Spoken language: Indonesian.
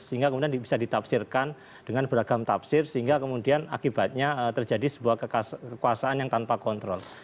sehingga kemudian bisa ditafsirkan dengan beragam tafsir sehingga kemudian akibatnya terjadi sebuah kekuasaan yang tanpa kontrol